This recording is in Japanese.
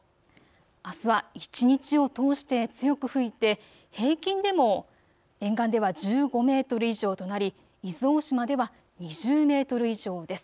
あすは一日を通して強く吹いて平均でも沿岸では１５メートル以上となり、伊豆大島では２０メートル以上です。